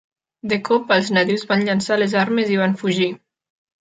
De cop, els nadius van llençar les armes i van fugir.